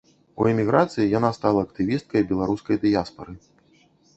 У эміграцыі яна стала актывісткай беларускай дыяспары.